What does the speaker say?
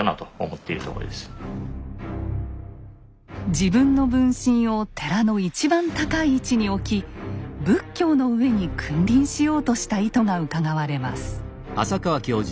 自分の分身を寺の一番高い位置に置き仏教の上に君臨しようとした意図がうかがわれます。